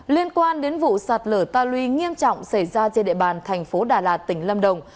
liên quan đến vụ sạt lở ta luy nghiêm trọng xảy ra trên địa bàn thành phố đà lạt tỉnh lâm đồng